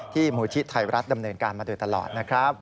มูลที่ไทยรัฐดำเนินการมาโดยตลอดนะครับ